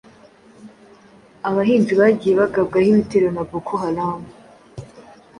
abahinzi bagiye bagabwaho ibitero na Boko Haram,